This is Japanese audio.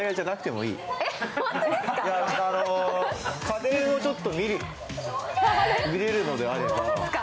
家電をちょっと見れるのであれば。